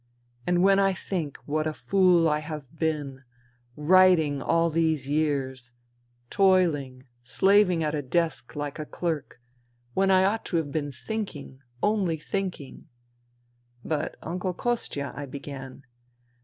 " And when I think what a fool I have been, writing all these years, toiling, slaving at a desk like a clerk — when I ought to have been thinking, only thinking." " But, Uncle Kostia " I began.